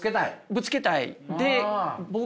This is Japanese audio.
ぶつけたい。